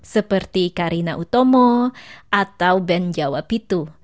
seperti karina utomo atau ben jawapitu